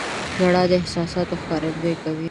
• ژړا د احساساتو ښکارندویي کوي.